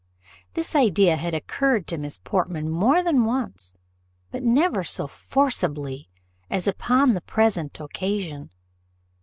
This idea had occurred to Miss Portman more than once, but never so forcibly as upon the present occasion.